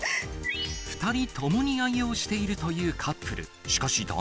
２人共に愛用しているというカップル。